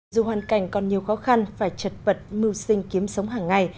dù hoàn cảnh còn nhiều khó khăn phải chật vật mưu sinh kiếm sống hàng ngày